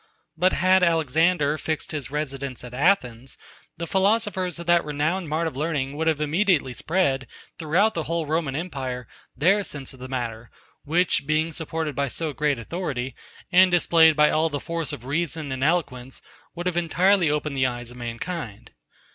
But had Alexander fixed his residence at Athens, the philosophers of that renowned mart of learning had immediately spread, throughout the whole Roman empire, their sense of the matter; which, being supported by so great authority, and displayed by all the force of reason and eloquence, had entirely opened the eyes of mankind.